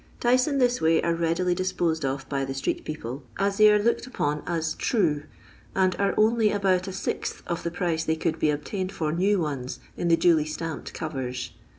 Dice in this way are readily disposed of by the street people, as they are looked upon ns " true," and are only about a sixth of the price they could be obtained for new ones in the duly stamped corers.